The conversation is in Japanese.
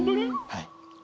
はい。